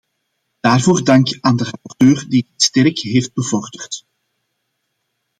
Daarvoor dank aan de rapporteur die dit sterk heeft bevorderd.